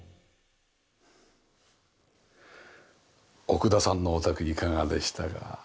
奥田さんのお宅いかがでしたか？